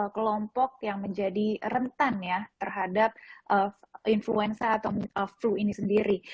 kelompok yang menjadi rentan ya terhadap influenza atau flu ini sendiri